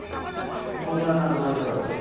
こんな謎はいかがでしょう？